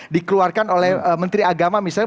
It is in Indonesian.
dikeluarkan oleh menteri agama misalnya